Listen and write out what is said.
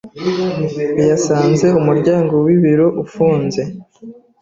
yasanze umuryango wibiro ufunze.